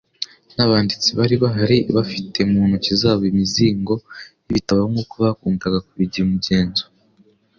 n'abanditsi bari bahari bafite mu ntoki zabo imizingo y'ibitabo nk'uko bakundaga kubigira umugenzo.